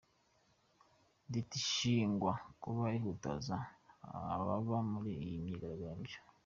Leta ishinjwa kuba ihutaza ababa bari mu myigaragambyo.